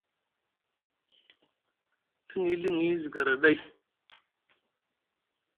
Liŋi liŋi zi gara ɗay.